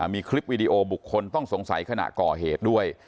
มีคลิปวิดีโอบุคคลต้องสงสัยขณะก่อเหตุด้วย